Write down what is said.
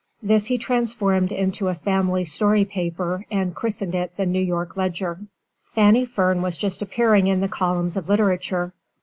This he transformed into a family story paper, and christened it the New York Ledger. Fanny Fern was just appearing in the columns of literature.